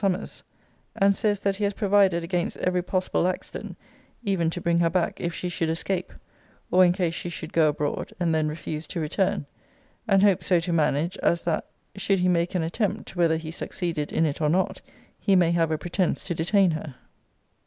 Summers; and says, that he has provided against every possible accident, even to bring her back if she should escape, or in case she should go abroad, and then refuse to return; and hopes so to manage, as that, should he make an attempt, whether he succeeded in it or not, he may have a pretence to detain her.